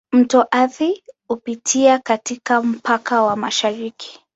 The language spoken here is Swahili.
Mto Athi hupitia katika mpaka wa mashariki.